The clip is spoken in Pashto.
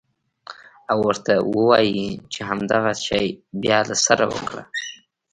او ورته ووايې چې همدغه شى بيا له سره وکره.